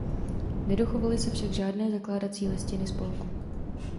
Nedochovaly se však žádné zakládací listiny spolku.